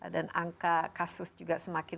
dan angka kasus juga semakin